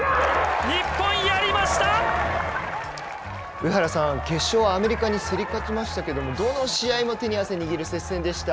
上原さん、決勝はアメリカに競り勝ちましたけどどの試合も手に汗握る接戦でした。